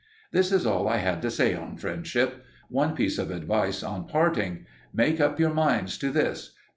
This is all I had to say on friendship. One piece of advice on parting. Make up your minds to this.